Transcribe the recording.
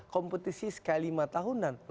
kompetisi sekali lima tahunan